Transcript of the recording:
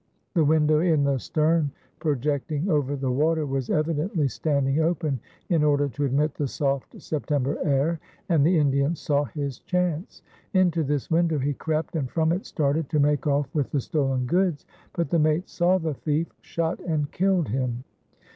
The window in the stern projecting over the water was evidently standing open in order to admit the soft September air, and the Indian saw his chance. Into this window he crept and from it started to make off with the stolen goods; but the mate saw the thief, shot, and killed him.